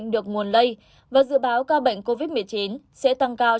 được nguồn lây và dự báo ca bệnh covid một mươi chín sẽ tăng cao